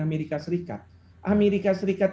amerika serikat amerika serikat